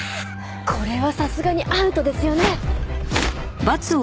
これはさすがにアウトですよね？